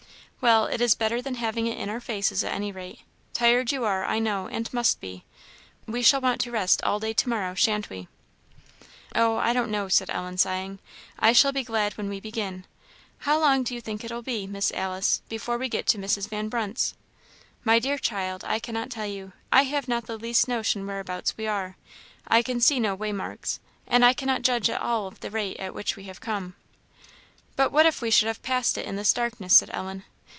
"Well, it is better than having it in our faces, at any rate. Tired you are, I know, and must be. We shall want to rest all day tomorrow, shan't we?" "Oh, I don't know!" said Ellen, sighing; "I shall be glad when we begin. How long do you think it will be, Miss Alice, before we get to Mrs. Van Brunt's?" "My dear child, I cannot tell you. I have not the least notion whereabouts we are. I can see no way marks, and I cannot judge at all of the rate at which we have come." "But what if we should have passed it in this darkness?" said Ellen.